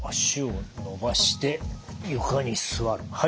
脚を伸ばして床に座る。